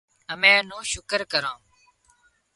امين اين نو شڪر ڪران